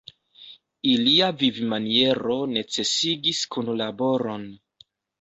Ilia vivmaniero necesigis kunlaboron.